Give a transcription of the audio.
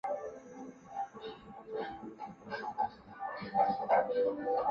喙花姜属是姜科下的一个属。